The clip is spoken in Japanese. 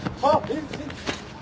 えっ？